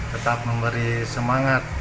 tetap memberi semangat